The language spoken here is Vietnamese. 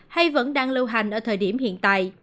hay vẫn đang lưu hành ở thời điểm hiện tại